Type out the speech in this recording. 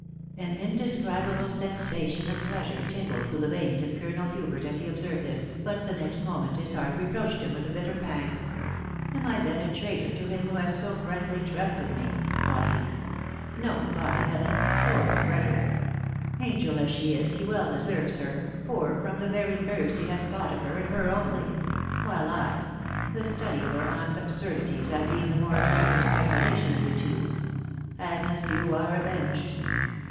An indescribable sensation of pleasure tingled through the veins of Colonel Hubert as he observed this, but the next mo ment his heart reproached him with a bitter pang. " Am 1 then a traitor to him who has so frankly trusted me ?" thought he. « No, by Heaven !.... Poor Frederick !.... Angel as she is, he well deserves her, for from the very first he has thought of her, and her only ;•.•. while I .•.. the study of her aunt's absurdities I deemed the more attractive specula, tion of the two .... Agnes, you are avenged